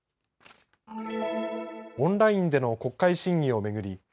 オンラインでの国会審議を巡り